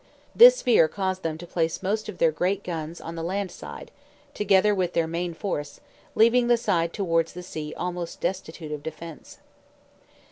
This fear caused them to place most of their great guns on the land side, together with their main force, leaving the side towards the sea almost destitute of defence.